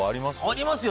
ありますよ。